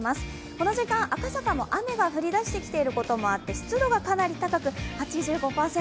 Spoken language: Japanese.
この時間、赤坂も雨が降り出してきていることもあって湿度がかなり高く、８５％。